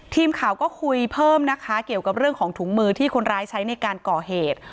ทีมข่าวก็คุยเพิ่มนะคะเกี่ยวกับเรื่องของถุงมือที่คนร้ายใช้ในการก่อเหตุ